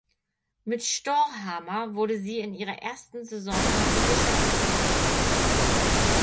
Mit Storhamar wurde sie in ihrer ersten Saison norwegischer Vizemeister.